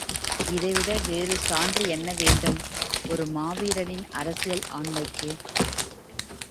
இதை விட வேறு சான்று என்ன வேண்டும், ஒரு மாவீரனின் அரசியல் ஆண்மைக்கு?